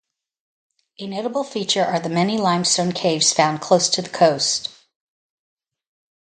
A notable feature are the many limestone caves found close to the coast.